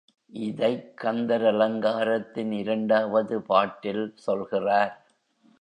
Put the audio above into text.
இதைக் கந்தர் அலங்காரத்தின் இரண்டாவது பாட்டில் சொல்கிறார்.